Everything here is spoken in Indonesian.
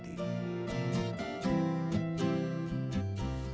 di kebumen irma berusaha mengembangkan kebanyakan perusahaan